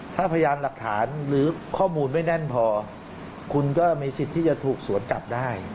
ถ้าพยานหลักฐานหรือข้อมูลไม่แน่นพอคุณก็มีสิทธิ์ที่จะถูกสวนกลับได้